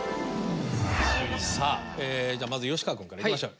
さあまず吉川君からいきましょう。